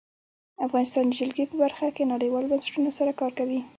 افغانستان د جلګه په برخه کې نړیوالو بنسټونو سره کار کوي.